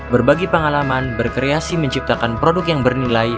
berbagi pengalaman berkreasi menciptakan produk yang bernilai